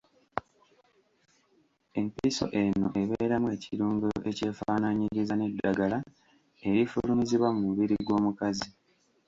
Empiso eno ebeeramu ekirungo ekyefaanaanyiriza n’eddagala erifulumizibwa mu mubiri gw’omukazi.